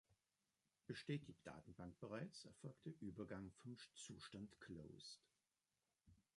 Besteht die Datenbank bereits, erfolgt der Übergang vom Zustand "Closed".